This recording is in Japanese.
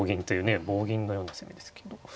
棒銀のような攻めですけど。